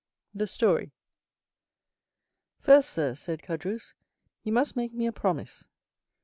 The Story First, sir," said Caderousse, "you must make me a promise."